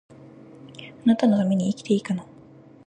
貴方のために生きていいかな